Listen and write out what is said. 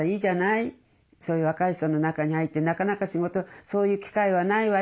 そういう若い人の中に入ってなかなか仕事そういう機会はないわよ。